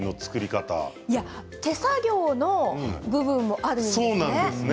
手作業の部分もあるんですよね。